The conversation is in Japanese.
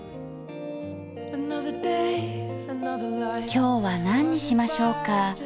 今日は何にしましょうか？